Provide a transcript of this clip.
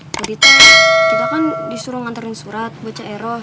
konditor kita kan disuruh nganterin surat buat ce eros